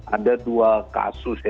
ada dua kasus ya